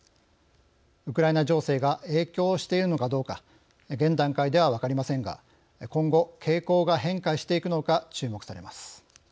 ウクライナ情勢が影響しているのかどうか現段階では分かりませんが今後、傾向が変化していくのか注目されます。